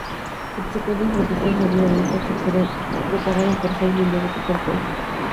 Subsecuentes protestas no violentas se propagaron por Seúl y luego por todo el país.